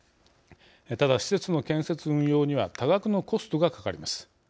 ただ、施設の建設運用には多額のコストがかかります。